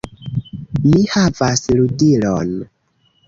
"Mi havas ludilon!"